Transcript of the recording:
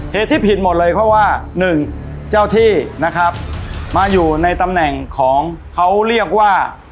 เหตุที่ผิดหมดเลยเพราะว่าหนึ่งเจ้าที่นะครับมาอยู่ในตำแหน่งของเขาเรียกว่า